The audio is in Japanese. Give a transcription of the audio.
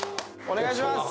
お願いします